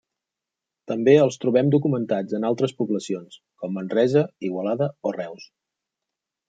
També els trobem documentats en altres poblacions, com Manresa, Igualada o Reus.